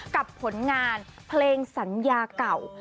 ผลงานเพลงสัญญาเก่า